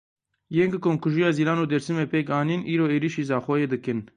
Yên ku komkujiya Zîlan û Dêrsimê pêk anîn, îro êrişî Zaxoyê dikin.